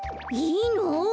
いいの？